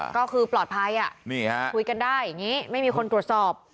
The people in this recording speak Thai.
ก็คือปลอดภัยอะคุยกันได้ไม่มีคนตรวจสอบ